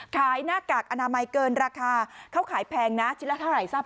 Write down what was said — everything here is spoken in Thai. หน้ากากอนามัยเกินราคาเขาขายแพงนะชิ้นละเท่าไหร่ทราบ